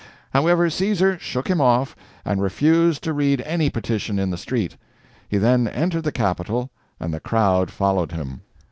] However, Caesar shook him off, and refused to read any petition in the street. He then entered the capitol, and the crowd followed him.